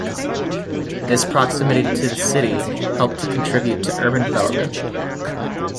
This proximity to the city helped to contribute to urban development.